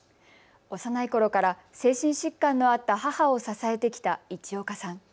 幼いころから精神疾患のあった母を支えてきた市岡さん。